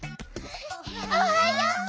おはよう！